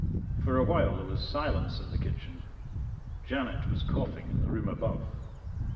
For a while there was silence in the kitchen. Janet was coughing in the room above.